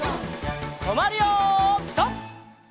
とまるよピタ！